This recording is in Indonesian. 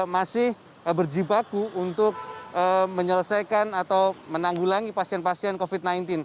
masih berjibaku untuk menyelesaikan atau menanggulangi pasien pasien covid sembilan belas